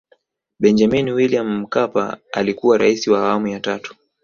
Benjamini Wiliam Mkapa alikuwa Raisi wa awamu ya tatu